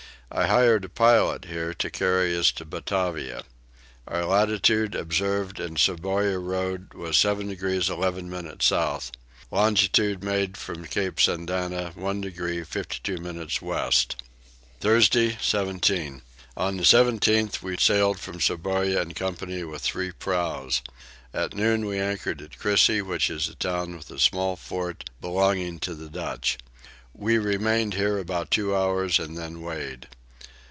I hired a pilot here to carry us to Batavia. Our latitude observed in Sourabaya road was 7 degrees 11 minutes south. Longitude made from Cape Sandana 1 degree 52 minutes west. Thursday 17. On the 17th we sailed from Sourabaya in company with three prows. At noon we anchored at Crissey which is a town with a small fort belonging to the Dutch. We remained here about two hours and then weighed.